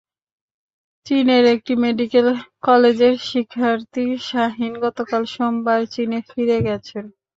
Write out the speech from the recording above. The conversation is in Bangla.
চীনের একটি মেডিকেল কলেজের শিক্ষার্থী শাহীন গতকাল সোমবার চীনে ফিরে গেছেন।